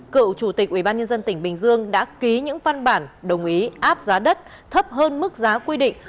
cựu chủ tịch ubnd tỉnh bình dương đã ký những văn bản đồng ý áp giá đất thấp hơn mức giá quy định